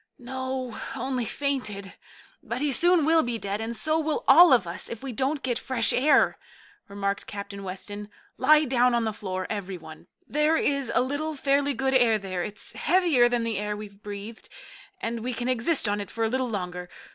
"No, only fainted. But he soon will be dead, and so will all of us, if we don't get fresh air," remarked Captain Weston. "Lie down on the floor, every one. There is a little fairly good air there. It's heavier than the air we've breathed, and we can exist on it for a little longer.